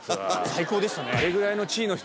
最高でしたね。